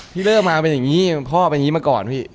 เริ่มมาเป็นอย่างนี้พ่อเป็นอย่างนี้มาก่อนพี่